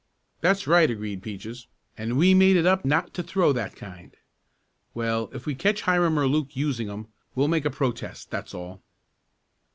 "That's right," agreed Peaches, "and we made it up not to throw that kind. Well, if we catch Hiram or Luke using 'em we'll make a protest, that's all."